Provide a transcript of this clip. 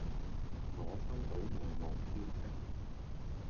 我收到內幕消息